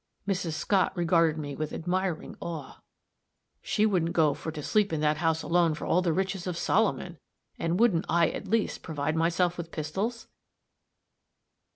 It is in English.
Mrs. Scott regarded me with admiring awe. "She wouldn't go for to sleep in that house alone for all the riches of Solomon," and wouldn't I, at least, provide myself with pistols?